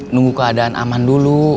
nunggu keadaan aman dulu